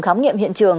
khám nghiệm hiện trường